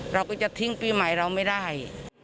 เราก็จะทิ้งปีใหม่เราไม่ได้